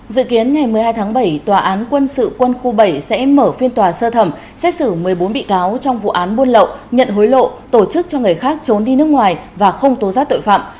dự kiến ngày một mươi hai tháng bảy tòa án quân sự quân khu bảy sẽ mở phiên tòa sơ thẩm xét xử một mươi bốn bị cáo trong vụ án buôn lậu nhận hối lộ tổ chức cho người khác trốn đi nước ngoài và không tố giác tội phạm